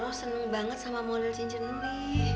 roh seneng banget sama model cincin ini